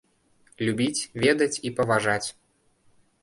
Любіць, ведаць і паважаць.